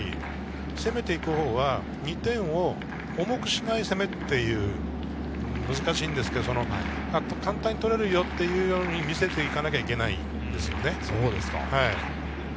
攻めていくほうは２点を重くしない攻めというところで難しいんですが簡単に取れるというように見せていかなきゃいけないんです。